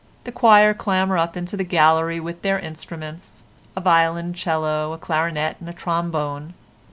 The choir clamber up into the gallery with their instruments—a violoncello, a clarinet and a trombone.